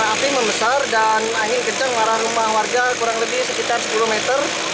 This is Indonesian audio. api membesar dan angin kencang mengarah rumah warga kurang lebih sekitar sepuluh meter